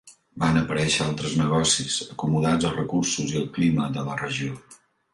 Van aparèixer altres negocis, acomodats als recursos i al clima de la regió.